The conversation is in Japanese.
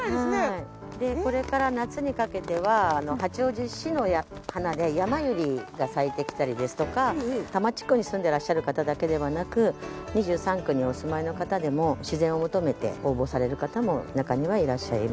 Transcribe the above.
これから夏にかけては八王子市の花でヤマユリが咲いてきたりですとか多摩地区に住んでらっしゃる方だけではなく２３区にお住まいの方でも自然を求めて応募される方も中にはいらっしゃいます。